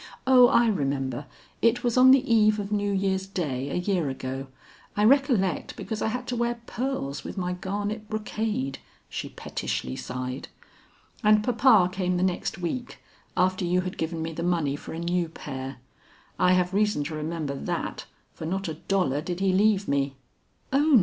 O I remember, it was on the eve of New Year's day a year ago; I recollect because I had to wear pearls with my garnet brocade," she pettishly sighed. "And papa came the next week, after you had given me the money for a new pair. I have reason to remember that, for not a dollar did he leave me." "Ona!"